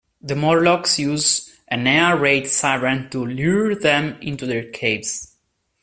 The Morlocks use an air raid siren to lure them into their caves.